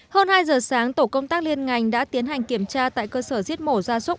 hơn hai giờ sáng tổ công tác liên ngành đã tiến hành kiểm tra tại cơ sở giết mổ ra súc